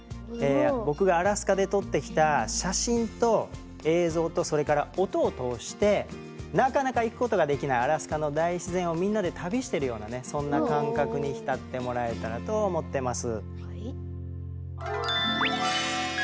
僕がアラスカで撮ってきた写真と映像とそれから音を通してなかなか行くことができないアラスカの大自然をみんなで旅してるようなそんな感覚に浸ってもらえたらと思ってます。